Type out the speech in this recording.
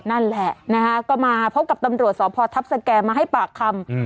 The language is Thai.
นั่นแหละนะคะก็มาพบกับตำรวจสพทัพสแก่มาให้ปากคำ